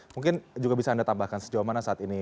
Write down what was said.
mungkin juga bisa anda tambahkan sejauh mana saat ini